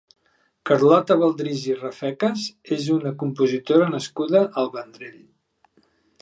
Carlota Baldrís i Rafecas és una compositora nascuda al Vendrell.